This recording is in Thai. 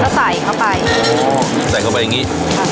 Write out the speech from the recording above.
ใส่เข้าไปกันใส่เข้าไปอย่างนี้